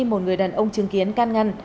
một người đàn ông chứng kiến căn ngăn